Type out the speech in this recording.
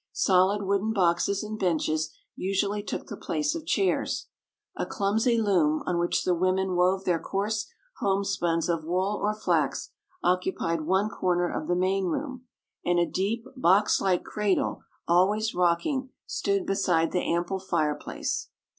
Solid wooden boxes and benches usually took the place of chairs. A clumsy loom, on which the women wove their coarse homespuns of wool or flax, occupied one corner of the main room; and a deep, box like cradle, always rocking, stood beside the ample fireplace.